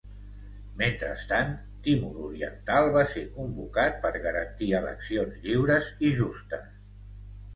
Mentrestant, Timor Oriental va ser convocat per garantir eleccions lliures i justes.